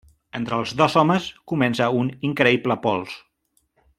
Entre els dos homes comença un increïble pols.